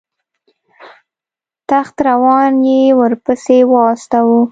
تخت روان یې ورپسې واستاوه.